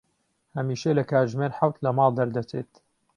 هەمیشە لە کاتژمێر حەوت لە ماڵ دەردەچێت.